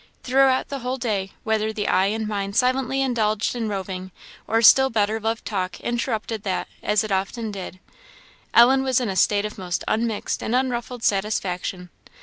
Throughout the whole way, whether the eye and mind silently indulged in roving, or still better loved talk interrupted that, as it often did, Ellen was in a state of most unmixed and unruffled satisfaction.